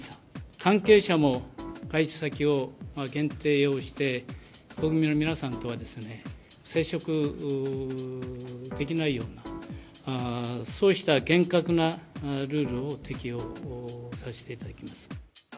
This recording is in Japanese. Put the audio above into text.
関係者も外出先を限定をして、国民の皆さんとは、接触できないような、そうした厳格なルールを適用させていただきます。